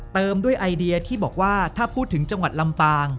เติมด้วยไอเดียที่บอกว่าถ้าพูดถึงจังหวัดลำปาง